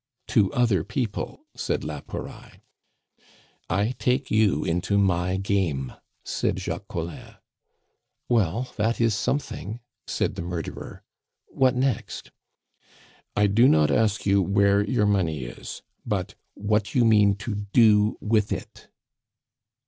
"To other people," said la Pouraille. "I take you into my game!" said Jacques Collin. "Well, that is something," said the murderer. "What next?" "I do not ask you where your money is, but what you mean to do with it?"